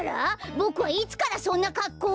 ボクはいつからそんなかっこうを！？